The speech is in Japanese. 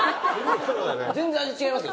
全然味違いますよ